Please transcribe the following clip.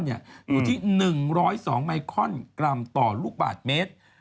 อยู่ที่๑๐๒ไมคอนกรัมต่อลูกบาทเมตร